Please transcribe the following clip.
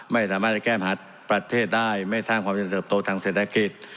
ไม่สามารถแก้มหัดประเทศได้ไม่สร้างความยนต์เติบโตทางเศรษฐกิจ